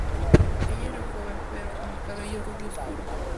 Ella era joven, pero con el cabello rubio oscuro.